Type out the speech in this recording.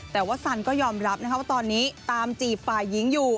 แต่ว่าสันก็ยอมรับว่าตอนนี้ตามจีบฝ่ายหญิงอยู่